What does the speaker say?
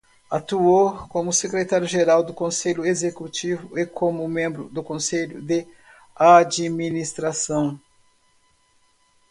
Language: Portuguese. Atuou como secretário-geral do Conselho Executivo e como membro do Conselho de administração.